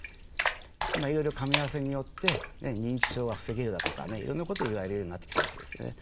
今いろいろかみ合わせによって認知症は防げるだとかねいろんなこと言われるようになってきたわけですね。